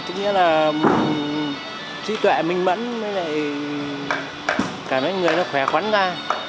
tức nghĩa là trí tuệ minh mẫn mấy người khỏe khoắn ra